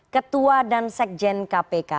ketua dan sekjen kpk